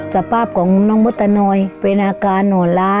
สภาพของน้องมัตตาหน่อยเป็นอาการเหงาร้า